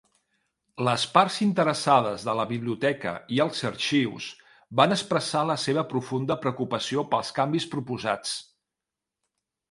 Les parts interessades de la Biblioteca i els Arxius van expressar la seva profunda preocupació pels canvis proposats.